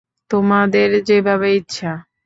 তোমাদের যেভাবে ইচ্ছা।